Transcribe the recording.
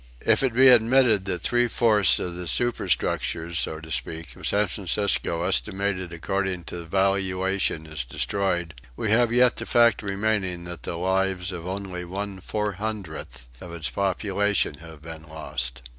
If it be admitted that three fourths of the superstructures, so to speak, of San Francisco, estimated according to valuation, is destroyed, we have yet the fact remaining that the lives of only about one four hundredth of its population have been lost.